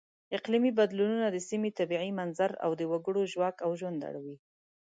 اقلیمي بدلونونه د سیمې طبیعي منظر او د وګړو ژواک او ژوند اړوي.